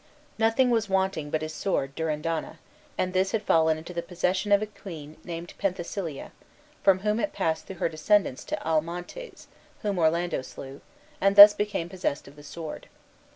Nothing was wanting but his sword, Durindana, and this had fallen into the possession of a queen named Penthesilea, from whom it passed through her descendants to Almontes, whom Orlando slew, and thus became possessed of the sword.